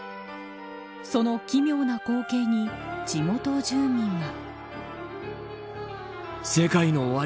その奇妙な光景に地元住民は。